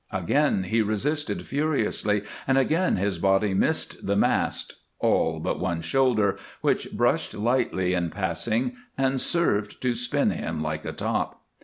Again he resisted furiously and again his body missed the mast, all but one shoulder, which brushed lightly in passing and served to spin him like a top.